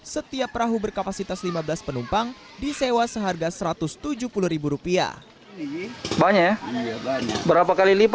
setiap perahu berkapasitas lima belas penumpang disewa seharga rp satu ratus tujuh puluh